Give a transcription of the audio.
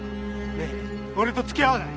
ねえ俺と付き合わない？